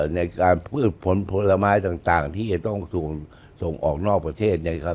ในการพืชผลไม้ต่างที่จะต้องส่งออกนอกประเทศ